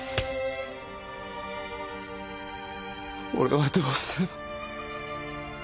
俺はどうすれば。